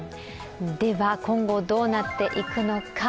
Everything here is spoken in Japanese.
今後どうなっていくのか。